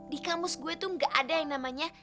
di kampus gue tuh gak ada yang namanya